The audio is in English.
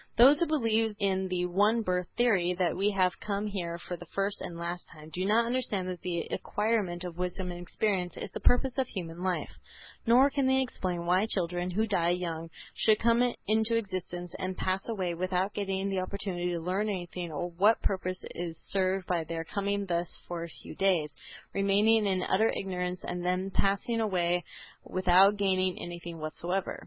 Those who believe in the one birth theory, that we have come here for the first and last time, do not understand that the acquirement of wisdom and experience is the purpose of human life; nor can they explain why children who die young should come into existence and pass away without getting the opportunity to learn anything or what purpose is served by their coming thus for a few days, remaining in utter ignorance and then passing away without gaining anything whatever.